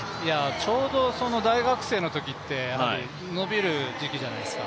ちょうど大学生のときって、伸びる時期じゃないですか。